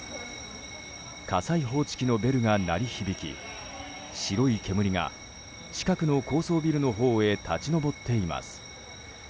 火災報知機のベルが鳴り響き白い煙が近くの高層ビルのほうへ立ち上っています。